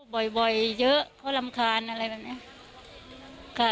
บ่อยเยอะเพราะรำคาญอะไรแบบนี้